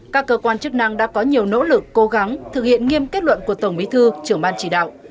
các cơ quan chức năng đã có nhiều nỗ lực cố gắng thực hiện nghiêm kết luận của tổng bí thư trưởng ban chỉ đạo